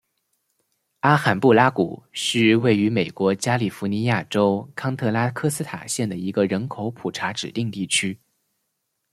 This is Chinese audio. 阿罕布拉谷是位于美国加利福尼亚州康特拉科斯塔县的一个人口普查指定地区。